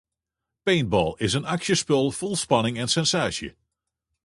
Paintball is in aksjespul fol spanning en sensaasje.